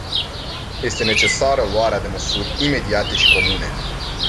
Este necesară luarea de măsuri imediate și comune.